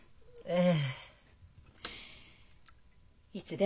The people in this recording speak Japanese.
ええ。